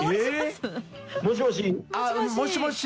もしもし？